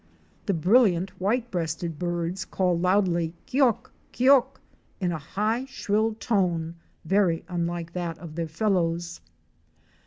The brilliant white breasted birds call loudly kiok! kiok! in a high, shrill tone very unlike that of their fellows.